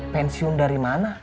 pensiun dari mana